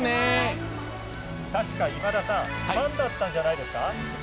確か、今田さんファンだったんじゃないですか？